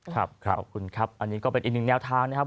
ขอบคุณครับอันนี้ก็เป็นอีกหนึ่งแนวทางนะครับ